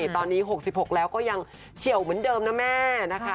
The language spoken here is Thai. ตอนนี้๖๖แล้วก็ยังเฉียวเหมือนเดิมนะแม่นะคะ